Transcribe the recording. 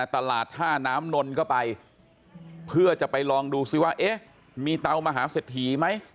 ตลาดท่าน้ำนนก็ไปเพื่อจะไปลองดูซิว่าเอ๊ะมีเตามหาเศรษฐีไหม